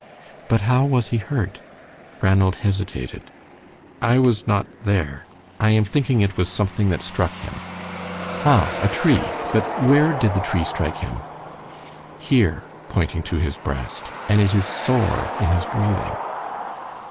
"But how was he hurt?" Ranald hesitated. "I was not there I am thinking it was something that struck him." "Ah, a tree! But where did the tree strike him?" "Here," pointing to his breast; "and it is sore in his breathing."